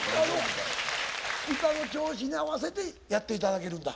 歌の調子に合わせてやっていただけるんだ。